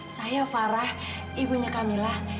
saya farah ibunya camilla